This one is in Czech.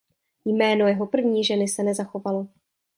Jméno jeho první ženy se nezachovalo.